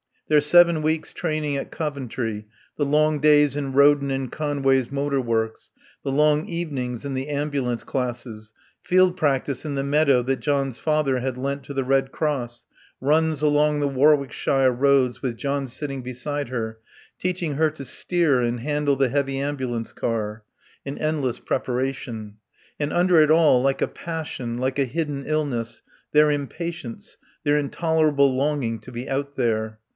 Their seven weeks' training at Coventry, the long days in Roden and Conway's motor works, the long evenings in the ambulance classes; field practice in the meadow that John's father had lent to the Red Cross; runs along the Warwickshire roads with John sitting beside her, teaching her to steer and handle the heavy ambulance car. An endless preparation. And under it all, like a passion, like a hidden illness, their impatience, their intolerable longing to be out there.